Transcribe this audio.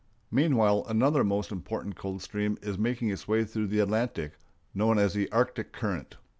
Meanwhile another most important cold stream is making its way through the Atlantic, known as the Arctic current.